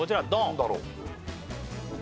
何だろう？